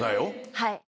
はい。